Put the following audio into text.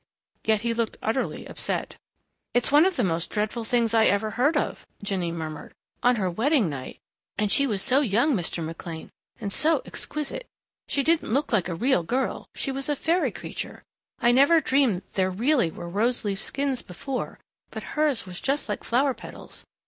Yet he looked utterly upset. "It's one of the most dreadful things I ever heard of," Jinny murmured. "On her wedding night.... And she was so young, Mr. McLean, and so exquisite. She didn't look like a real girl.... She was a fairy creature.... I never dreamed there really were rose leaf skins before but hers was just like flower petals.